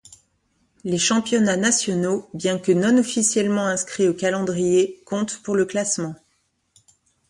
Les championnats nationaux bien que non officiellement inscrits au calendrier comptent pour le classement.